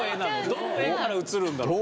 どの絵から映るんだろうね。